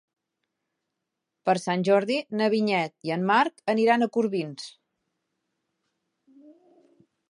Per Sant Jordi na Vinyet i en Marc aniran a Corbins.